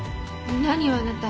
何よあなた。